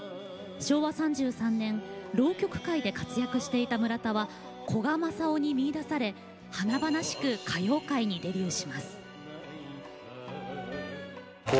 昭和３３年浪曲界で活躍していた村田は古賀政男に見いだされ華々しく歌謡界にデビューします。